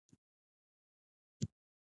هغه د تاوده بام پر مهال د مینې خبرې وکړې.